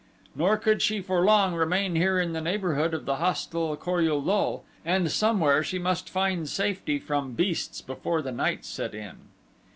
Nor could she for long remain here in the neighborhood of the hostile Kor ul lul and somewhere she must find safety from beasts before the night set in.